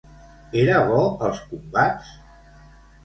Era bo als combats?